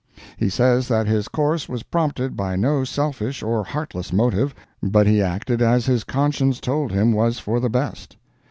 He says that his course was prompted by no selfish or heartless motive, but he acted as his conscience told him was for the best.